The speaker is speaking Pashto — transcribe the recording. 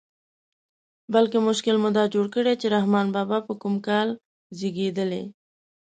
بلکې مشکل مو دا جوړ کړی چې رحمان بابا په کوم کال زېږېدلی.